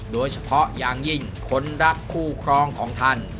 โดยเฉพาะอย่างยิ่งคนรักคู่ครองของท่าน